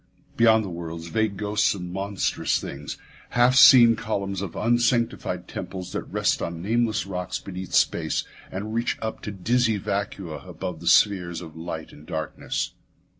Beyond the worlds vague ghosts of monstrous things; half seen columns of unsanctified temples that rest on nameless rocks beneath space and reach up to dizzy vacua above the spheres of light and darkness.